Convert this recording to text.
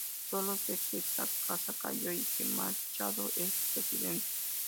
Solo se que Sacasa cayo y que Machado es Presidente.